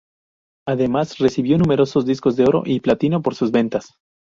Además recibió numerosos discos de oro y platino por sus ventas.